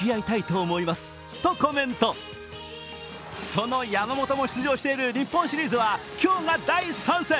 その山本も出場している日本シリーズは今日が第３戦。